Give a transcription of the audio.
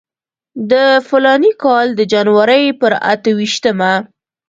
د فلاني کال د جنورۍ پر اته ویشتمه.